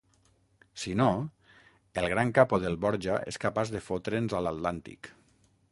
Si no, el gran capo del Borja és capaç de fotre'ns a l'Atlàntic.